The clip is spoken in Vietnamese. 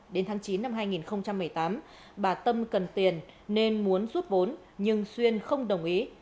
đến tháng chín năm hai nghìn một mươi tám bà tâm cần tiền nên muốn rút vốn nhưng xuyên không đồng ý